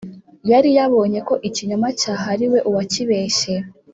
yari yabonye ko ikinyoma cyahariwe uwakibeshye